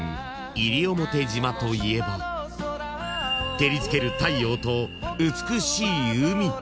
［照り付ける太陽と美しい海］